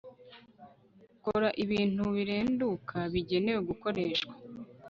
kore ibintu birenduka bigenewe gukoreshwa